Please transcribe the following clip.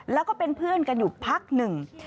แล้วก็เป็นเพื่อนกันอยู่พักหนึ่ง